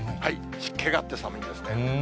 湿気があって寒いんですね。